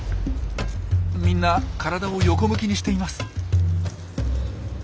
みんな体を横向きにしています。